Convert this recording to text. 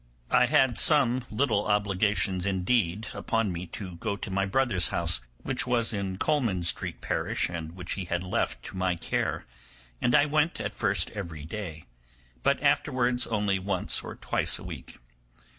I had some little obligations, indeed, upon me to go to my brother's house, which was in Coleman Street parish and which he had left to my care, and I went at first every day, but afterwards only once or twice a week.